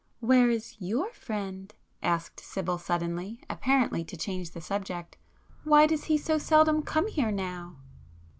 "Where is your friend?" asked Sibyl suddenly, apparently to change the subject—"Why does he so seldom come here now?"